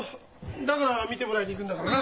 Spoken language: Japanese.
だから診てもらいに行くんだからな。